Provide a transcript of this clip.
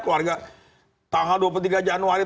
keluarga tanggal dua puluh tiga januari